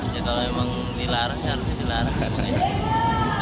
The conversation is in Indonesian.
ya kalau emang dilarang harus dilarang ya